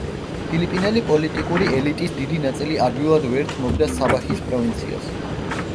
ფილიპინელი პოლიტიკური ელიტის დიდი ნაწილი ადვილად ვერ თმობდა საბაჰის პროვინციას.